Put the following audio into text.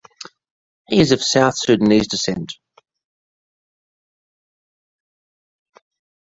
He is of South Sudanese descent.